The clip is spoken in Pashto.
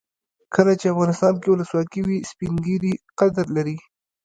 کله چې افغانستان کې ولسواکي وي سپین ږیري قدر لري.